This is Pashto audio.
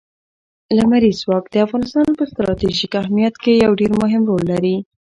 لمریز ځواک د افغانستان په ستراتیژیک اهمیت کې یو ډېر مهم رول لري.